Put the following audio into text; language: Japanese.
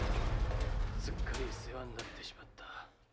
すっかり世話になってしまった。